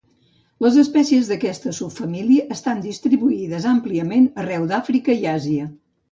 Les espècies d'aquesta subfamília estan distribuïdes àmpliament arreu d'Àfrica i Àsia.